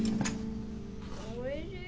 おいしい。